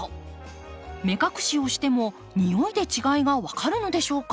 目隠しをしてもにおいで違いが分かるのでしょうか？